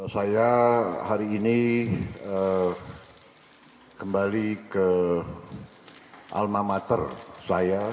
saya hari ini kembali ke alma mater saya